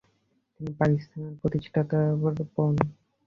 তিনি পাকিস্তানের প্রতিষ্ঠাতার বোন।